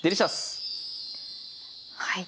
はい。